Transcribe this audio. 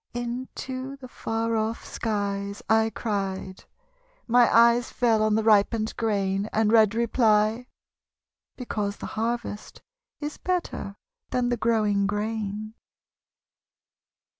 Into the far off skies I cried. My eyes fell on the ripened grain, And read reply: because the harvest Is better than the growing grain.